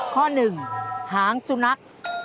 ข้อหนึ่งหางสุนัข